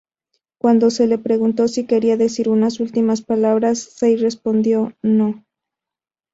Cuando se le preguntó si quería decir unas ultimas palabras, Sells respondió "no".